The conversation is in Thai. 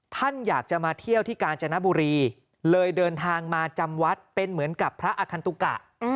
ท่านอยากจะมาเที่ยวที่กาญจนบุรีเลยเดินทางมาจำวัดเป็นเหมือนกับพระอคันตุกะ